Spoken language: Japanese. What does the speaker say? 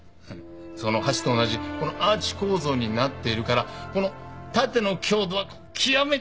その橋と同じこのアーチ構造になっているからこの縦の強度は極めて強い。